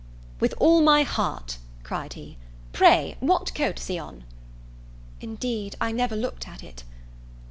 "With all my heart," cried he; "pray, what coat has he on?" "Indeed I never looked at it."